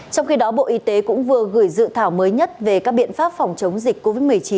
trong khi đó bộ y tế cũng vừa gửi dự thảo mới nhất về các biện pháp phòng chống dịch covid một mươi chín